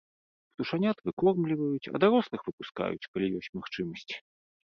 Птушанят выкармліваюць, а дарослых выпускаюць, калі ёсць магчымасць.